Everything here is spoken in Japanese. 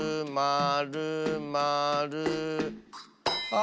あ！